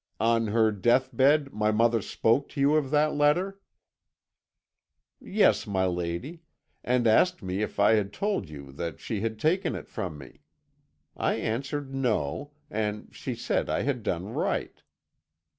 On her deathbed my mother spoke to you of that letter?' "'Yes, my lady, and asked me if I had told you that she had taken it from me. I answered no, and she said I had done right.